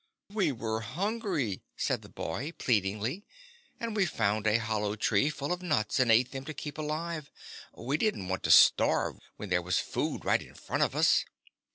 "We were hungry," said the boy, pleadingly, "and we found a hollow tree full of nuts, and ate them to keep alive. We didn't want to starve when there was food right in front of us."